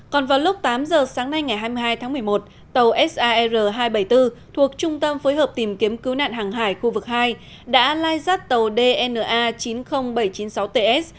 còn vào lúc tám giờ sáng nay ngày hai mươi hai tháng một mươi một tàu sar hai trăm bảy mươi bốn thuộc trung tâm phối hợp tìm kiếm cứu nạn hàng hải khu vực hai đã lai rắt tàu dna chín mươi nghìn bảy trăm chín mươi sáu ts